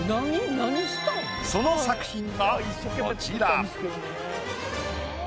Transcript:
その作品がこちら。